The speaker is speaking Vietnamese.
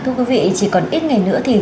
thưa quý vị chỉ còn ít ngày nữa thì